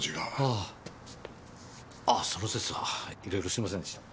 ああその節はいろいろすいませんでした。